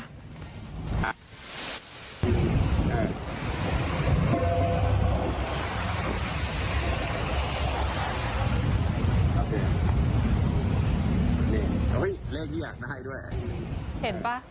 เห็นป่ะ